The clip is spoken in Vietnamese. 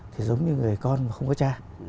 thì giống như người con mà không có cha